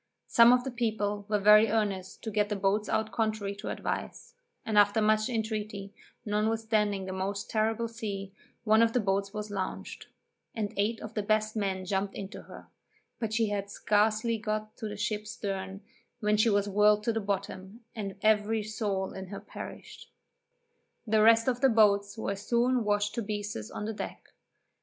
Some of the people were very earnest to get the boats out contrary to advice; and, after much intreaty, notwithstanding a most terrible sea, one of the boats was launched, and eight of the best men jumped into her, but she had scarcely got to the ship's stern, when she was whirled to the bottom, and every soul in her perished. The rest of the boats were soon washed to pieces on the deck.